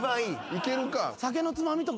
いけるか。